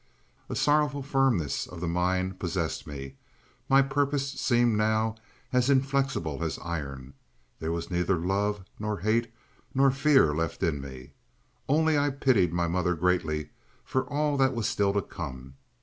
A sorrowful firmness of the mind possessed me. My purpose seemed now as inflexible as iron; there was neither love nor hate nor fear left in me—only I pitied my mother greatly for all that was still to come.